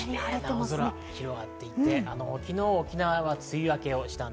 青空が広がっていて、昨日、沖縄は梅雨明けしました。